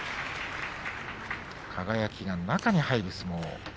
輝が中に入る相撲。